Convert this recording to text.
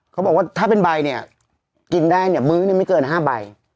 เขาบอกว่าถ้าเป็นใบเนี่ยกินได้เนี่ยมื้อเนี่ยไม่เกิน๕ใบ